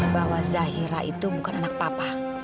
bahwa zahira itu bukan anak papa